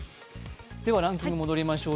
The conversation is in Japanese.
ランキング戻りましょう。